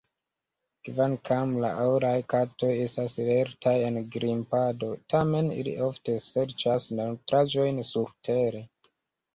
Kvankam la oraj katoj estas lertaj en grimpado, tamen ili ofte serĉas nutraĵojn surtere.